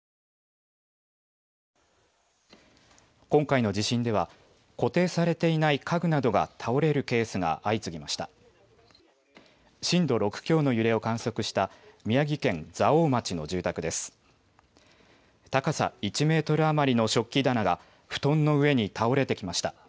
今回の地震では固定されていない家具などが倒れるケースが相次ぎました。